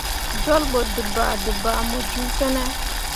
Jolɓo dǝbaadǝbaa mu ju fine.